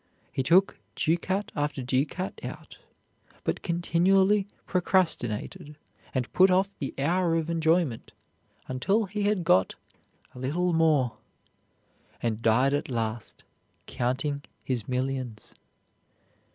He took ducat after ducat out, but continually procrastinated and put off the hour of enjoyment until he had got "a little more," and died at last counting his millions.